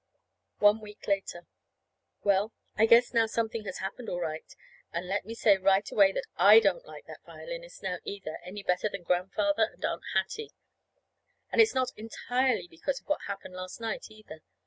One week later. Well, I guess now something has happened all right! And let me say right away that I don't like that violinist now, either, any better than Grandfather and Aunt Hattie. And it's not entirely because of what happened last night, either.